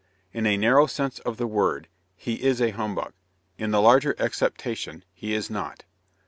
In a narrow sense of the word he is a "Humbug:" in the larger acceptation he is not.